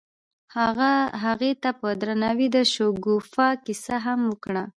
هغه هغې ته په درناوي د شګوفه کیسه هم وکړه.